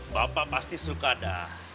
bapak pasti suka dah